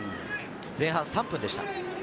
前半３分でした。